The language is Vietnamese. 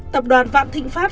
tập đoàn vạn thịnh pháp